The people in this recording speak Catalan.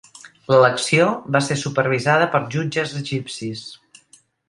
L'elecció va ser supervisada per jutges egipcis.